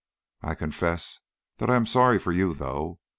I confess that I am sorry for you, though.